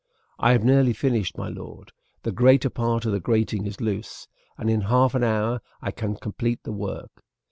"I have nearly finished, my lord, the greater part of the grating is loose, and in half an hour I can complete the work.